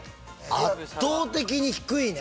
圧倒的に低いね